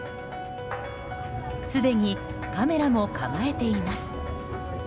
すでにカメラも構えています。